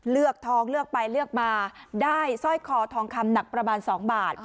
เลือกทองเลือกไปเลือกมาได้สร้อยคอทองคำหนักประมาณ๒บาท